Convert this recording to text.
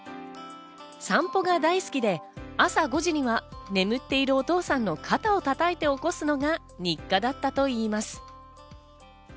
散歩が大好きで、朝５時には眠っているお父さんの肩を叩いて起こすのが日課だったといいます。